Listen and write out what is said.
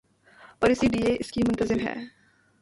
اورسی D A اس کی منتظم ہے۔